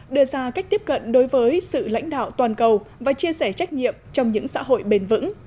đưa ra cách tiếp cận đối với sự lãnh đạo toàn cầu và chia sẻ trách nhiệm trong những xã hội bền vững